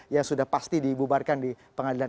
yang sudah pasti dibubarkan di pengadilan